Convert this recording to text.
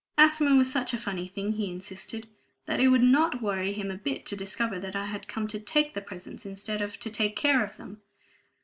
Asthma was such a funny thing (he insisted) that it would not worry him a bit to discover that I had come to take the presents instead of to take care of them!